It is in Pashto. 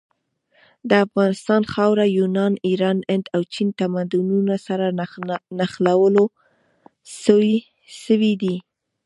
د افغانستان خاوره د یونان، ایران، هند او چین تمدنونو سره نښلول سوي ده.